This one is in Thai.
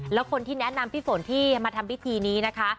แล้วคนที่แนะนำพี่ฝนที่มาทำพิธีนี้นะคะ